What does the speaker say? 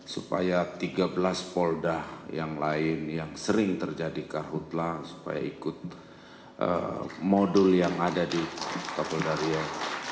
supaya tiga belas polda yang lain yang sering terjadi karhutlah supaya ikut modul yang ada di kapolda rio